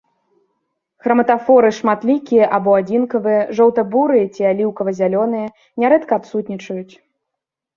Храматафоры шматлікія або адзінкавыя, жоўта-бурыя ці аліўкава-зялёныя, нярэдка адсутнічаюць.